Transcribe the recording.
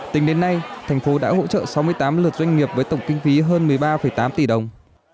tính đến nay thành phố đã hỗ trợ sáu mươi tám lượt doanh nghiệp với tổng kinh phí hơn một mươi ba tám tỷ đồng